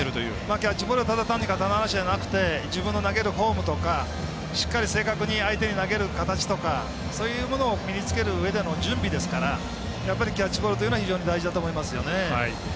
キャッチボールはただ単に肩慣らしじゃなくて自分の投げるフォームとかしっかり正確に相手に投げる形とかそういうものを身につける準備ですから、キャッチボールは大事だと思います。